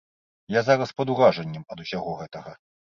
Я зараз пад уражаннем ад усяго гэтага.